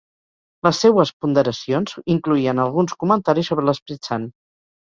Les seues ponderacions incloïen alguns comentaris sobre l'Esperit Sant.